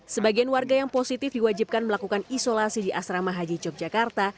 sebagian warga yang positif diwajibkan melakukan isolasi di asrama haji yogyakarta